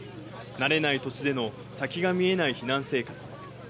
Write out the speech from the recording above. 慣れない土地での先が見えない避難生活。